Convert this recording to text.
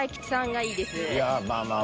いやぁまあまあ。